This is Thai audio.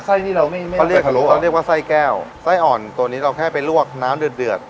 ที่เราไม่ไม่เขาเรียกทะลุเราเรียกว่าไส้แก้วไส้อ่อนตัวนี้เราแค่ไปลวกน้ำเดือดเดือด